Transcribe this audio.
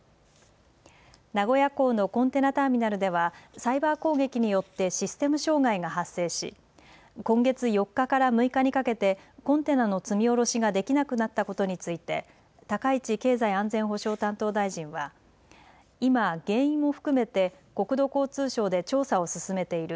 名古屋港のコンテナターミナルでは、サイバー攻撃によってシステム障害が発生し、今月４日から６日にかけて、コンテナの積み降ろしができなくなったことについて、高市経済安全保障担当大臣は、今、原因も含めて、国土交通省で調査を進めている。